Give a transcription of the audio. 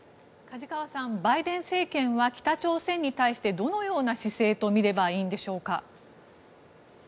梶川さん、バイデン政権は北朝鮮に対してどのような姿勢と見ればいいんでしょうか。